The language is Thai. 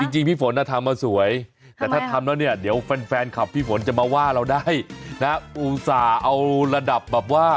จริงพี่ฝนทำมาสวยแต่ถ้าทำแล้วเนี่ยเดี๋ยวแฟนคลับพี่ฝนจะมาว่าเราได้นะอุตส่าห์เอาระดับแบบว่า